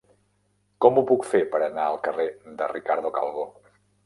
Com ho puc fer per anar al carrer de Ricardo Calvo?